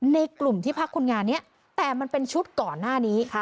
ในกลุ่มที่พักคนงานนี้แต่มันเป็นชุดก่อนหน้านี้